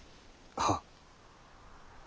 はっ。